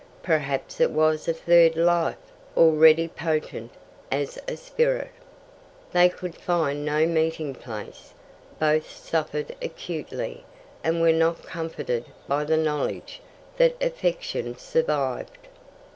Perhaps it was a third life, already potent as a spirit. They could find no meeting place. Both suffered acutely, and were not comforted by the knowledge that affection survived.